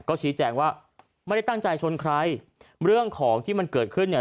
ก็ชี้แจงว่าไม่ได้ตั้งใจชนใครเรื่องของที่มันเกิดขึ้นเนี่ย